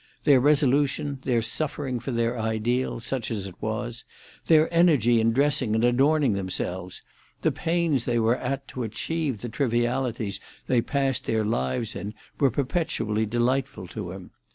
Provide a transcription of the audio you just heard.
Their resolution, their suffering for their ideal, such as it was, their energy in dressing and adorning themselves, the pains they were at to achieve the trivialities they passed their lives in, were perpetually delightful to him.